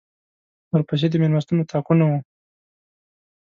ورپسې د مېلمستون اطاقونه وو.